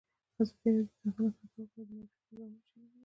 ازادي راډیو د د ځنګلونو پرېکول په اړه د معارفې پروګرامونه چلولي.